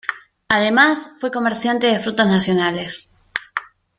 Además fue comerciante de frutos nacionales.